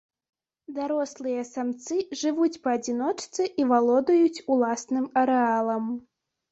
Дарослыя самцы жывуць па адзіночцы і валодаюць уласным арэалам.